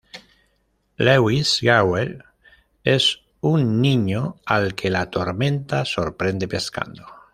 Lewis Garvey es un niño al que la tormenta sorprende pescando.